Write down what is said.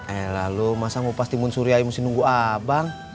nih lah lo masa ngupas timun suri aja mesti nunggu abang